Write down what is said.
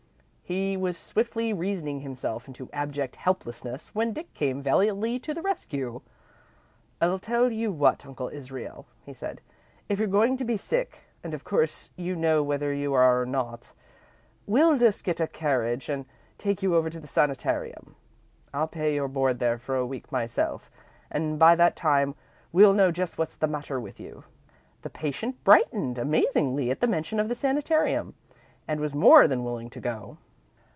He was swiftly reasoning himself into abject helplessness when Dick came valiantly to the rescue. "I'll tell you what, Uncle Israel," he said, "if you're going to be sick, and of course you know whether you are or not, we'll just get a carriage and take you over to the sanitarium. I'll pay your board there for a week, myself, and by that time we'll know just what's the matter with you." The patient brightened amazingly at the mention of the sanitarium, and was more than willing to go.